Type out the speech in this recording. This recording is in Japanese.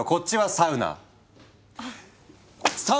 サウナ。